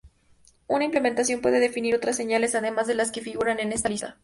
Una implementación puede definir otras señales además de las que figuran en esta lista.